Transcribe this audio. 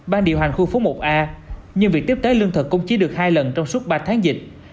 ban điều hành khu phố một a nhưng việc tiếp tế lương thực cũng chỉ được hai lần trong suốt ba tháng dịch